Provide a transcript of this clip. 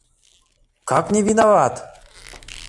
Как не виноват?!